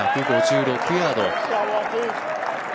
１５６ヤード。